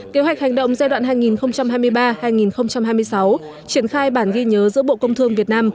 kế hoạch hành động giai đoạn hai nghìn hai mươi ba hai nghìn hai mươi sáu triển khai bản ghi nhớ giữa bộ công thương việt nam